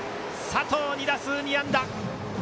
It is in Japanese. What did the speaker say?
佐藤、２打数２安打。